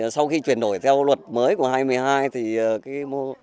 sau khi chuyển đổi theo luật mới của hợp tác xã năm hai nghìn một mươi hai